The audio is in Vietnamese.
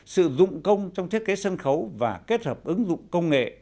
sử dụng công trong thiết kế sân khấu và kết hợp ứng dụng công nghệ